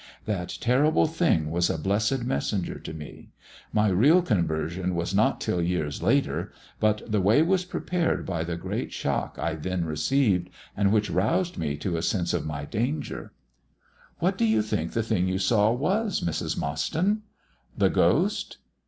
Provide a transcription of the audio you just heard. That terrible thing was a blessed messenger to me. My real conversion was not till years later, but the way was prepared by the great shock I then received, and which roused me to a sense of my danger." "What do you think the thing you saw Was, Mrs. Mostyn?" "The ghost?"